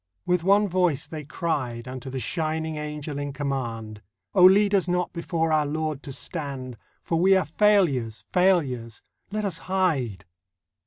With one voice they cried Unto the shining Angel in command: 'Oh, lead us not before our Lord to stand, For we are failures, failures! Let us hide.